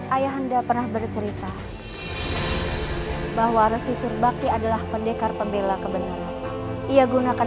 ayah anda pernah bercerita bahwa resisur bakti adalah pendekar pembela kebenaran ia gunakan